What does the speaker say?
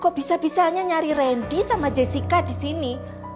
kok bisa bisanya nyari randy sama jessica disini